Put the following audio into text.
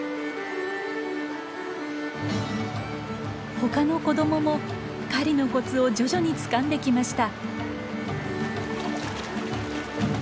他の子どもも狩りのコツを徐々につかんできました。